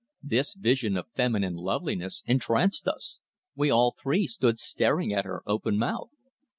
This vision of feminine loveliness entranced us. We all three stood staring at her open mouthed.